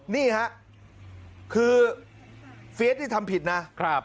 นี่ฮะคือเฟียสนี่ทำผิดนะ